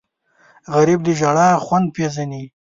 غریب د ژړا خوند پېژني